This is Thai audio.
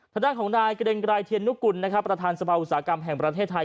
ธนาคต์ของนายเกรงรายเทียนุกุลประธานสภาวุษากรรมแห่งประเทศไทย